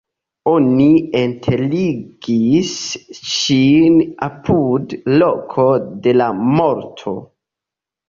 Oni enterigis ŝin apud loko de la morto.